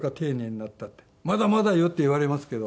「まだまだよ」って言われますけど。